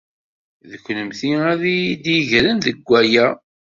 D kennemti ay iyi-d-yegren deg waya!